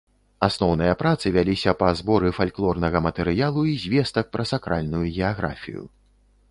Асноўныя працы вяліся па зборы фальклорнага матэрыялу і звестак пра сакральную геаграфію.